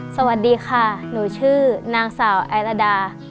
สวัสดีค่ะหนูชื่อนางสาวไอลาดา